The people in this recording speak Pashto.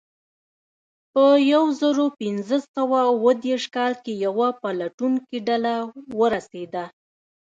په یو زرو پینځه سوه اوه دېرش کال کې یوه پلټونکې ډله ورسېده.